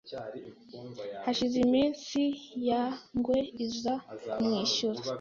Hashize iminsi ya ngwe iza kumwishyuza